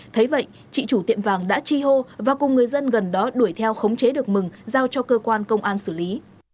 thấy vậy chị chủ tiệm vàng đã chi hô và cùng người dân gần đó đuổi theo khống chế được mừng giao cho cơ quan công an xử lý